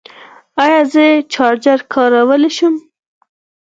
ایا زه چارجر کارولی شم؟